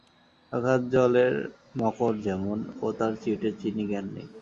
অগাধ জলের মকর যেমন, ও তার চিটে চিনি জ্ঞান নেই!